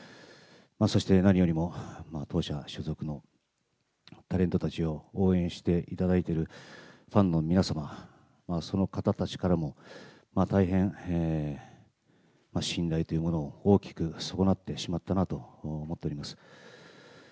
そして何よりも、当社所属のタレントたちを応援していただいているファンの皆様、その方たちからも大変信頼というものを大きく損なってしまったなと思っております。